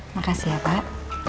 makasih ya pak